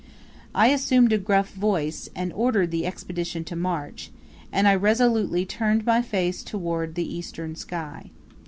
I assumed a gruff voice, and ordered the Expedition to march, and I resolutely turned my face toward the eastern sky.